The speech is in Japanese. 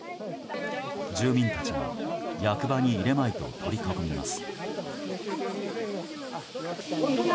住民たちが役場に入れまいと取り囲みます。